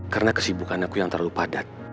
karena kesibukan aku yang terlalu padat